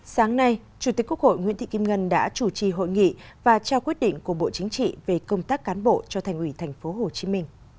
sáng nay chủ tịch quốc hội nguyễn thị kim ngân đã chủ trì hội nghị và trao quyết định của bộ chính trị về công tác cán bộ cho thành ủy tp hcm